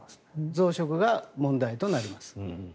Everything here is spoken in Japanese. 増殖が問題となります。